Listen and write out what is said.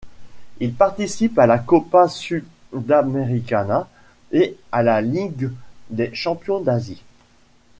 Il participe à la Copa Sudamericana et à la Ligue des champions d'Asie.